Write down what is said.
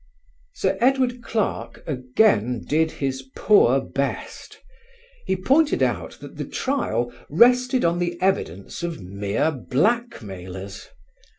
Sir Edward Clarke again did his poor best. He pointed out that the trial rested on the evidence of mere blackmailers.